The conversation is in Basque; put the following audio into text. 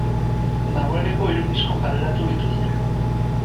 Dagoeneko hiru disko kaleratu dituzte.